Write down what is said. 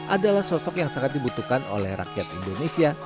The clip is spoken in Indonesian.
adalah sosok yang sangat dibutuhkan oleh rakyat indonesia